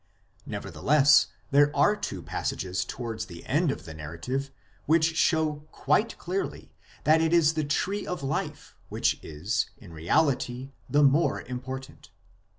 Nevertheless, there are two passages towards the end of the narrative which show quite clearly that it is the Tree of Life which is, in reality, the more important.